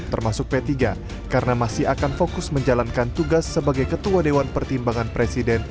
termasuk p tiga karena masih akan fokus menjalankan tugas sebagai ketua dewan pertimbangan presiden